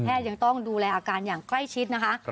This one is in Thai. ยังต้องดูแลอาการอย่างใกล้ชิดนะคะ